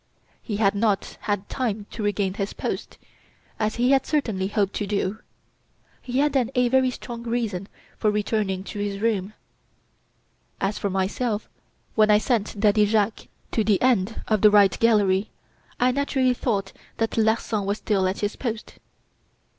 He had not had time to regain his post, as he had certainly hoped to do. He had then a very strong reason for returning to his room. As for myself, when I sent Daddy Jacques to the end of the 'right gallery,' I naturally thought that Larsan was still at his post.